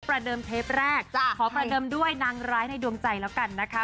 ประเดิมเทปแรกขอประเดิมด้วยนางร้ายในดวงใจแล้วกันนะคะ